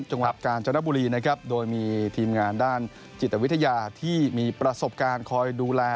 จังหวัดกาญจนบุรีนะครับโดยมีทีมงานด้านจิตวิทยาที่มีประสบการณ์คอยดูแล